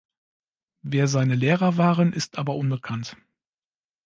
Wer seine Lehrer waren, ist aber unbekannt.